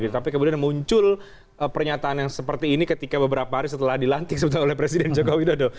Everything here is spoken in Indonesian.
tapi kemudian muncul pernyataan yang seperti ini ketika beberapa hari setelah dilantik oleh presiden joko widodo